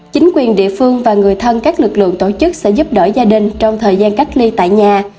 chính quyền địa phương và người thân các lực lượng tổ chức sẽ giúp đỡ gia đình trong thời gian cách ly tại nhà